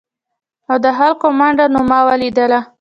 او د خلکو منډه نو ما ولیدله ؟